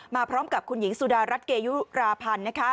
มาพร้อมกับคุณหญิงสุดารัฐเกยุราพันธ์